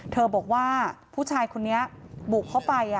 บอกว่าผู้ชายคนนี้บุกเข้าไป